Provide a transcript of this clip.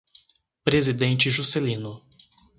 Presidente Juscelino